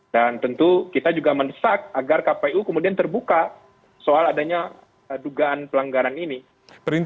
dan tentu kita juga mendesak agar kpu kemudian terbuka soal adanya dugaan pelanggaran ini